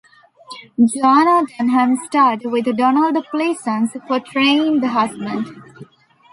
Joanna Dunham starred, with Donald Pleasence portraying the husband.